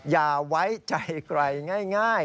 อย่าไหวใจไกลง่าย